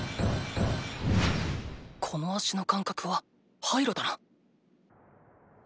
この足の感覚はハイロだな